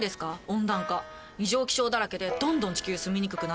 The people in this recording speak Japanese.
温暖化」「異常気象だらけでどんどん地球住みにくくなって」